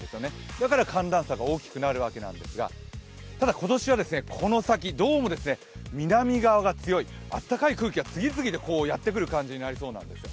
だから寒暖差が大きくなるわけなんですが、ただ、今年はこの先どうも南側が強い、温かい空気が次々とやってくる感じになりそうなんですよ。